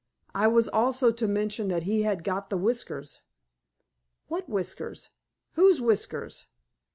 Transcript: I was also to mention that he had got the whiskers." "What whiskers? Whose whiskers?"